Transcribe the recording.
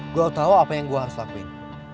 gue tau apa yang gue harus lakuin